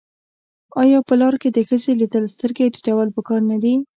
آیا په لار کې د ښځې لیدل سترګې ټیټول پکار نه دي؟